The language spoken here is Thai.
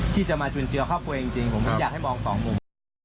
ที่จะมาจุนเจือครอบครัวจริงผมอยากให้มองสองมุม